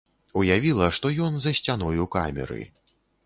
Уявіла, што ён за сцяною камеры.